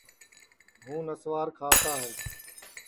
ہُوں نسوار کھاوتا ہے